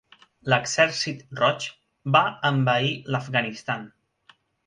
L'Exèrcit Roig va envair l'Afganistan.